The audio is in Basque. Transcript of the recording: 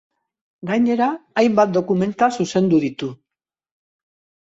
Gainera, hainbat dokumental zuzendu ditu.